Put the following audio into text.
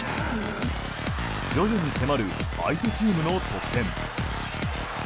徐々に迫る相手チームの得点。